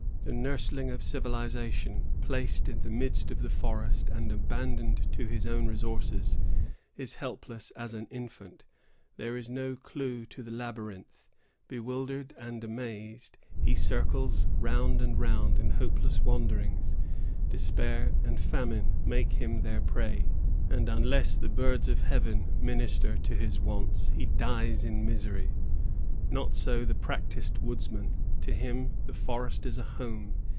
The nursling of civilization, placed in the midst of the forest, and abandoned to his own resources, is helpless as an infant. There is no clew to the labyrinth. Bewildered and amazed, he circles round and round in hopeless wanderings. Despair and famine make him their prey, and unless the birds of heaven minister to his wants, he dies in misery. Not so the practised woodsman. To him, the forest is a home.